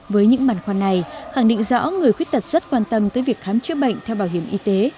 với những bàn khoan này khẳng định rõ người khuyết tật rất quan tâm tới việc khám chữa bệnh theo bảo hiểm y tế